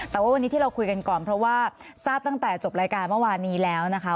แต่ว่าวันนี้ที่เราคุยกันก่อนเพราะว่าทราบตั้งแต่จบรายการเมื่อวานนี้แล้วนะคะ